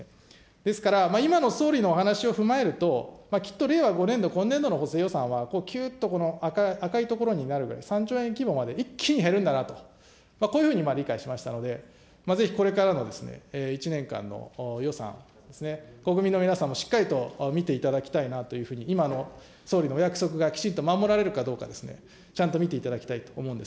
ですから、今の総理のお話を踏まえると、きっと令和５年度、今年度の補正予算はきゅーっと赤い所になるぐらい、３兆円規模まで一気に減るんだなと、こういうふうに理解しましたので、ぜひこれからの１年間の予算、国民の皆さんもしっかりと見ていただきたいなというふうに、今の総理のお約束がきちんと守られるかどうかですね、ちゃんと見ていただきたいと思うんです。